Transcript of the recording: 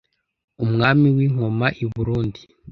Umwami w’i Nkoma i burundi